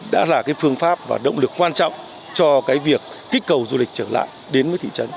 đã là cái phương pháp và động lực quan trọng cho việc kích cầu du lịch trở lại đến với thị trấn